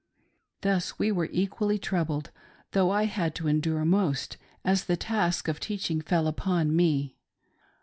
Thus we were equally troubled, though I had to endure most, as the task of teaching fell upon me.